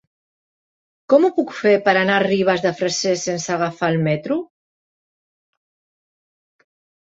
Com ho puc fer per anar a Ribes de Freser sense agafar el metro?